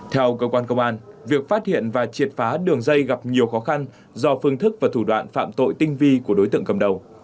theo cơ quan công an việc phát hiện và triệt phá đường dây gặp nhiều khó khăn do phương thức và thủ đoạn phạm tội tinh vi của đối tượng cầm đầu